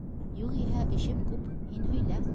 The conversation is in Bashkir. Юғиһә эшем күп, һин һөйлә.